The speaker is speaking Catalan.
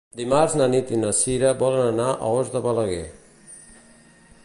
Dimarts na Nit i na Sira volen anar a Os de Balaguer.